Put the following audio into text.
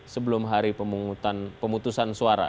sebelum hari pemutusan suara